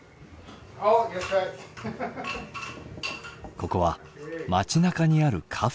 ここは町なかにあるカフェ。